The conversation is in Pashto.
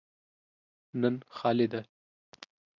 نن خالي ده.